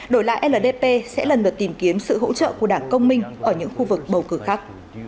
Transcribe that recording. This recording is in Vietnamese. đổi lại ldp sẽ lần lượt tìm kiếm sự hỗ trợ của đảng công minh ở những khu vực bầu cử khác